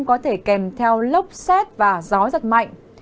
có thể kèm theo lốc xét và gió giật mạnh